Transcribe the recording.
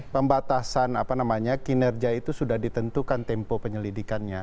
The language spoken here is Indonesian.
pembatasan kinerja itu sudah ditentukan tempo penyelidikannya